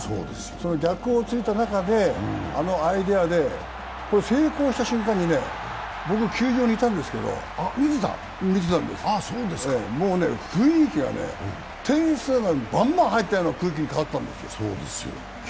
その逆を突いた中で、あのアイデアで成功した瞬間にね、僕、球場にいて見てたんですけどもうね、雰囲気が点数がバンバン入っているような雰囲気に変わったんですよ。